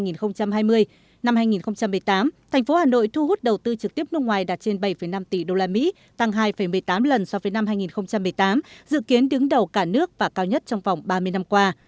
năm hai nghìn một mươi tám thành phố hà nội thu hút đầu tư trực tiếp nước ngoài đạt trên bảy năm tỷ usd tăng hai một mươi tám lần so với năm hai nghìn một mươi tám dự kiến đứng đầu cả nước và cao nhất trong vòng ba mươi năm qua